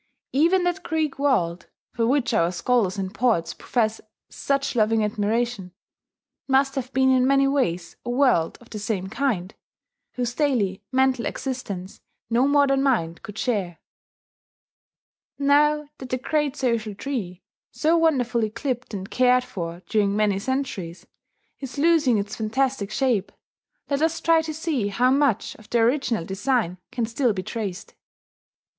Even that Greek world, for which our scholars and poets profess such loving admiration, must have been in many ways a world of the same kind, whose daily mental existence no modern mind could share. Now that the great social tree, so wonderfully clipped and cared for during many centuries, is losing its fantastic shape, let us try to see how much of the original design can still be traced.